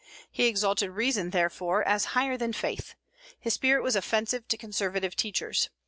He exalted reason, therefore, as higher than faith. His spirit was offensive to conservative teachers.